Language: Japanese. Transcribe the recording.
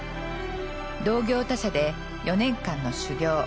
同業他社で４年間の修行。